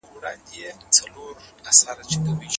کارخانې څنګه د محصولاتو ذخیره اداره کوي؟